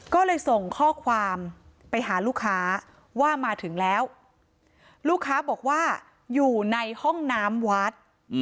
ก็เลยส่งข้อความไปหาลูกค้าว่ามาถึงแล้วลูกค้าบอกว่าอยู่ในห้องน้ำวัด